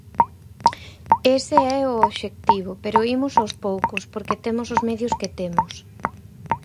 Ese é o obxectivo, pero imos aos poucos, porque temos os medios que temos.